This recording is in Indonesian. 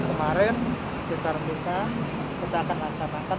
kemarin kita akan laksanakan penutupan dan juga penyelamatkan